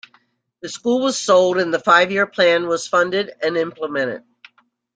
The school was sold and the five-year plan was funded and implemented.